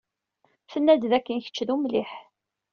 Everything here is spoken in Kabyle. Tenna-d dakken kečč d umliḥ.